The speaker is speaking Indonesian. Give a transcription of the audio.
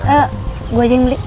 eh gue aja yang beli